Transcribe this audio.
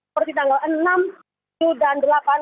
seperti tanggal enam tujuh dan delapan